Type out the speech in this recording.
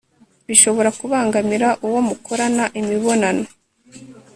bishobora kubangamira uwo mukorana imibonano